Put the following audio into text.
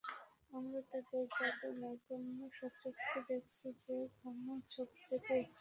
আমরা তাদের যাদু-নৈপুণ্য স্বচক্ষে দেখেছি যে, ঘন ঝোঁপ থেকে একটি বর্শা বেরিয়ে আসে।